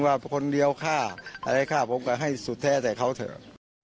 ว่าคนเดียวฆ่าอะไรฆ่าผมก็ให้สุดแท้แต่เขาเถอะ